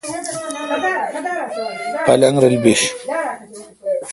پلنگ رل بیش۔